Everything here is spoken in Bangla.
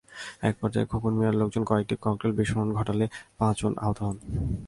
একপর্যায়ে খোকন মিয়ার লোকজন কয়েকটি ককটেলের বিস্ফোরণ ঘটালে পাঁচজন আহত হন।